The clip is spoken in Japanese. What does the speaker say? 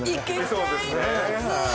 そうですね。